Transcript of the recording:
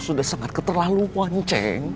sudah sangat keterlaluan ceng